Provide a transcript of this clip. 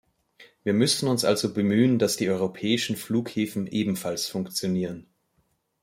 Wir müssen uns also bemühen, dass die europäischen Flughäfen ebenfalls funktionieren.